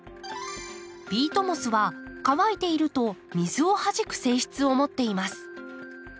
ピートモスは乾いていると水をはじく性質を持っています。